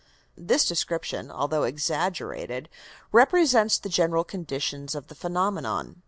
This description, although exaggerated, represents the general conditions of the phenomenon.